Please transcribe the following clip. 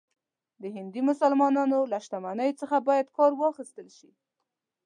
د هندي مسلمانانو له شتمنیو څخه باید کار واخیستل شي.